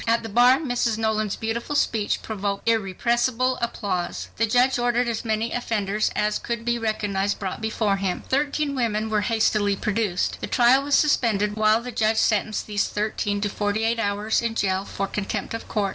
At the bar Mrs. Nolan's beautiful speech provoked irrepressible applause. The judge ordered as many offenders as could be recognized brought before him. Thirteen women were hastily produced. The trial was suspended while the judge sentenced these thirteen to "forty eight hours in jail for contempt of court."